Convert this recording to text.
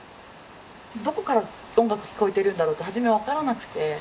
どこから音楽が聴こえているんだろうって初めわからなくて。